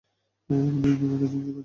এমনিতে মাথা ঝিমঝিম করছে।